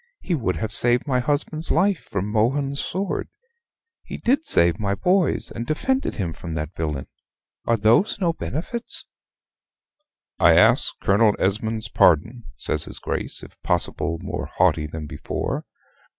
He would have saved my husband's life from Mohun's sword. He did save my boy's, and defended him from that villain. Are those no benefits?" "I ask Colonel Esmond's pardon," says his Grace, if possible more haughty than before.